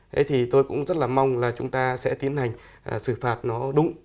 thế thì tôi cũng rất là mong là chúng ta sẽ tiến hành xử phạt nó đúng